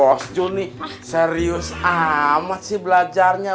bos juni serius amat sih belajarnya